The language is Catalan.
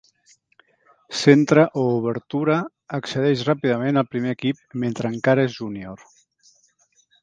Centre o obertura, accedeix ràpidament al primer equip mentre encara és junior.